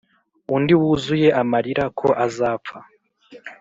undi wuzuye amarira ko azapfa,